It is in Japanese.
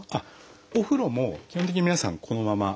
お風呂も基本的に皆さんこのまま入ってます。